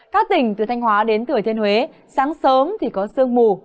các tỉnh từ thanh hóa đến thừa thiên huế sáng sớm thì có sương mù